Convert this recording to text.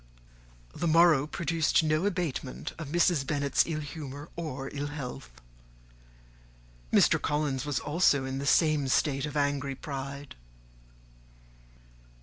The morrow produced no abatement of Mrs. Bennet's ill humour or ill health. Mr. Collins was also in the same state of angry pride.